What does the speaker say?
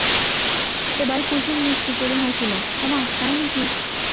এবার কুসুম মিষ্টি করি হাসিল, ওমা, তাই নাকি?